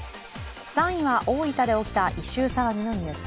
３位は大分で起きた異臭騒ぎのニュース。